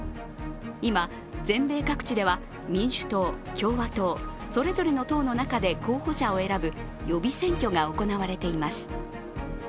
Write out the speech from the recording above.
今、全米各地では民主党、共和党それぞれの中で候補者を選ぶ予備選挙が行われています。